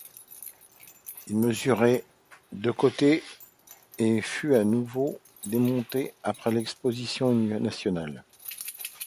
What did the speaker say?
Il mesurait de côté et fut à nouveau démonté après l'exposition nationale.